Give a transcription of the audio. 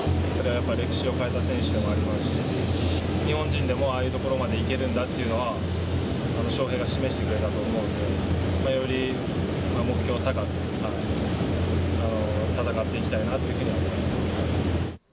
やっぱり歴史を変えた選手でもありますし、日本人でもああいうところまでいけるんだっていうことは、翔平が示してくれたと思うので、より目標を高く戦っていきたいなっていうふうに思います。